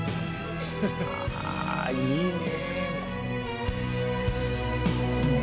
ああいいね。